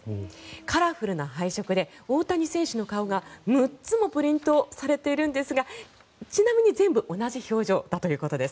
カラフルな配色で大谷選手の顔が６つもプリントされているんですがちなみに全部同じ表情だということです。